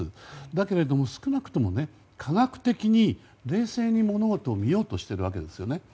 だけれども少なくとも科学的に冷静に物事を見ようとしているわけですよね。